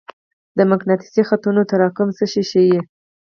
د مقناطیسي خطونو تراکم څه شی ښيي؟